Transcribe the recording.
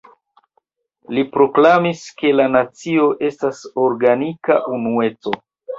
Li proklamis, ke la nacio estas organika unueco.